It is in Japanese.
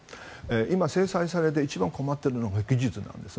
今、制裁されて一番困っているのは技術なんです。